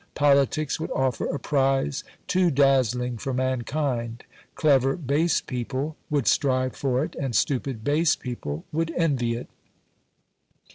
Politics would offer a prize too dazzling for mankind; clever base people would strive for it, and stupid base people would envy it.